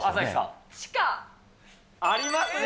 地下。ありますね。